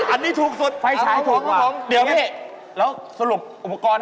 อันนี้ถูกสุด